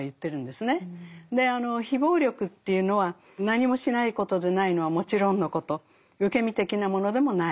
であの非暴力というのは何もしないことでないのはもちろんのこと受け身的なものでもない。